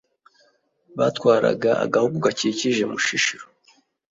batwaraga agahugu gakikije mushishiro.